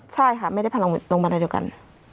ใช่ค่ะไม่ได้โรงพยาบาลอะไรเดียวกัน